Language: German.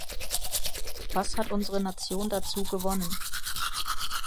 Was hat unsere Nation dazu gewonnen?